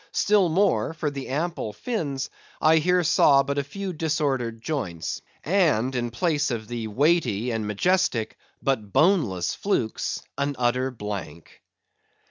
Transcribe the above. Still more, for the ample fins, I here saw but a few disordered joints; and in place of the weighty and majestic, but boneless flukes, an utter blank!